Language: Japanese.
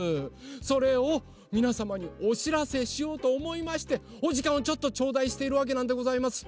それをみなさまにおしらせしようとおもいましておじかんをちょっとちょうだいしているわけなんでございます。